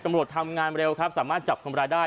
ตำรวจทำงานเร็วครับสามารถจับคนร้ายได้